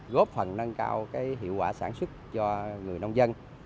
góp phần nâng cao hiệu quả sản xuất cho người nông dân